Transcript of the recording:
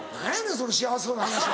その幸せそうな話は。